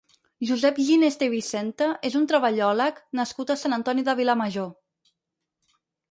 Josep Ginesta i Vicente és un treballòleg nascut a Sant Antoni de Vilamajor.